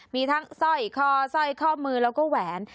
มีทั้งสร้อยคอสร้อยข้อมือแล้วก็แหวน